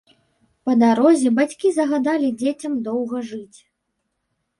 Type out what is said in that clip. Па дарозе бацькі загадалі дзецям доўга жыць.